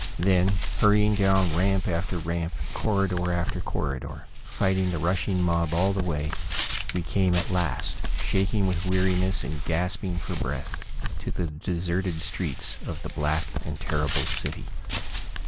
Then, hurrying down ramp after ramp, corridor after corridor, fighting the rushing mob all the way, we came at last, shaking with weariness and gasping for breath, to the deserted streets of this black and terrible city.